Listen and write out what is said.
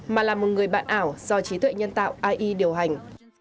mà là một người bạn ảo do trí tuệ nhân tạo ai điều hành